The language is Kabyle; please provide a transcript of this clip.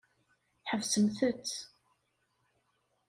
Ḥebsemt-tt.